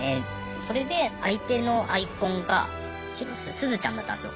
それで相手のアイコンが広瀬すずちゃんだったんすよ。